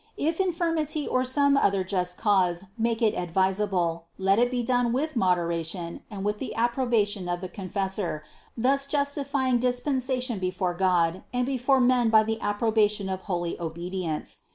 If infirmity or some other just cause make it advisable, let it be done with moderation and with the approbation of the confessor, thus justifying dispensation before God and before men by the approbation of holy obedience.